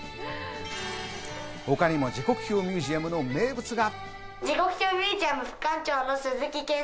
他にも時刻表ミュージアムの名物が。